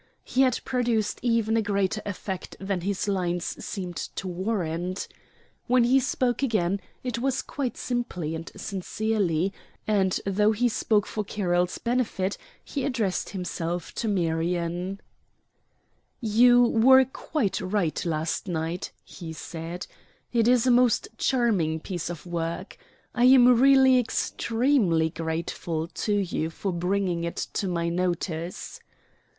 He had produced even a greater effect than his lines seemed to warrant. When he spoke again, it was quite simply, and sincerely, and though he spoke for Carroll's benefit, he addressed himself to Marion. "You were quite right last night," he said, "it is a most charming piece of work. I am really extremely grateful to you for bringing it to my notice."